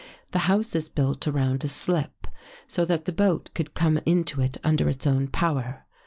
The house is built around a slip, so that the boat could come into it under its own power.